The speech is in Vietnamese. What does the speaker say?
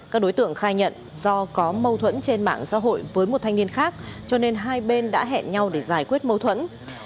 các đối tượng khai nhận do có mâu thuẫn trên mạng xã hội với một thanh niên khác cho nên hai bên đã hẹn nhau để giải quyết mâu thuẫn